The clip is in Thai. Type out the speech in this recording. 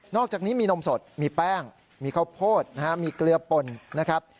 อกจากนี้มีนมสดมีแป้งมีข้าวโพดนะฮะมีเกลือป่นนะครับ